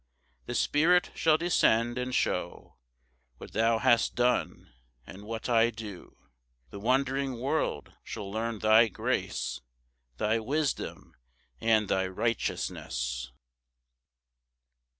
7 "The Spirit shall descend, and show "What thou hast done, and what I do; "The wond'ring world shall learn thy grace, "Thy wisdom and thy righteousness."